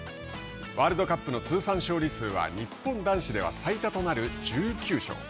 ワールドカップの通算勝利数は日本男子では最多となる、１９勝。